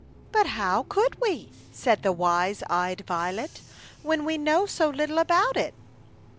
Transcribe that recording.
" But how could we;'' said the wise eyed violet, " when we know so little about it?"